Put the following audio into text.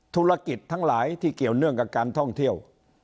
ธุรกิจทั้งหลายที่เกี่ยวเนื่องกับการท่องเที่ยว